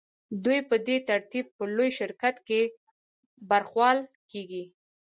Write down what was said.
دوی په دې ترتیب په لوی شرکت کې برخوال کېږي